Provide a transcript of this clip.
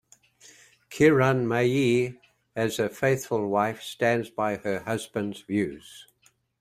Kiranmayee as a faithful wife stands by her husband's views.